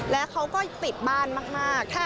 แล้วเขาก็ติดบ้านมาก